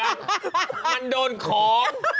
มันโดนของ